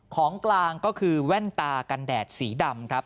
ของกลางก็คือแว่นตากันแดดสีดำครับ